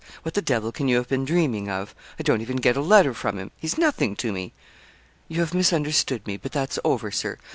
What the devil can you have been dreaming of. I don't even get a letter from him. He's nothing to me.' 'You have misunderstood me; but that's over, Sir.